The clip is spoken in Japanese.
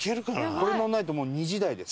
これ乗らないともう２時台です。